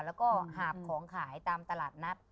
แล้วก็หาบของขายตามตลาดนัด